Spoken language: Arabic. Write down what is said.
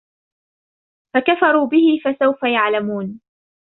فكفروا به فسوف يعلمون